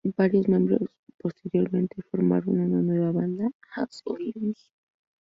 Varios miembros posteriormente formaron una nueva banda, As Lions.